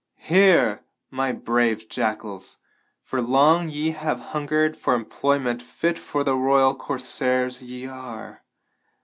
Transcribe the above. "Hear, my brave jackals! For long ye have hungered for employment fit for the royal corsairs ye are.